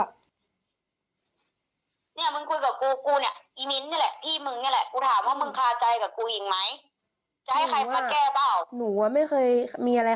กับกูอิ่งมั้ยจะให้ใครมาแก้้บ้าวหนูว่าไม่เคยมีอะไร